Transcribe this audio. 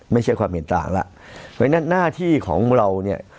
ไม่ใช่ความเห็นต่างแล้วเพราะฉะนั้นหน้าที่ของเราเนี่ย